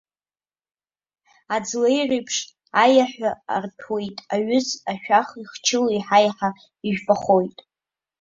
Аӡлеиреиԥш аиаҳәа арҭәуеит аҩыз, ашәах ихчыло еиҳа-еиҳа ижәпахоит.